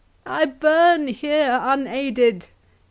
—I burn here unaided!